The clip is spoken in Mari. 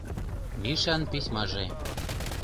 МИШАН ПИСЬМАЖЕ